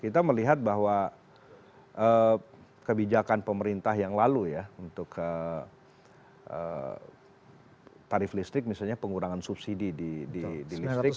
kita melihat bahwa kebijakan pemerintah yang lalu ya untuk tarif listrik misalnya pengurangan subsidi di listrik